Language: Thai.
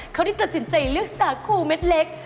เขาได้ตัดสินใจเลือกสาคูเม็ดเล็ก